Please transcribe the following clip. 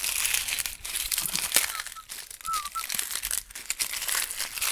El portal de podcasts Podium Podcast ha recuperado unos cuantos de ellos.